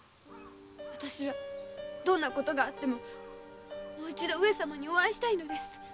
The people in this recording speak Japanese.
私はどんなことがあってももう一度上様にお会いしたいのです。